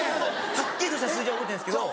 はっきりとした数字は覚えてないんですけど。